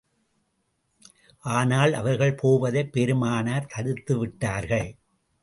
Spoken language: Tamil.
ஆனால், அவர்கள் போவதைப் பெருமானார் தடுத்து விட்டார்கள்.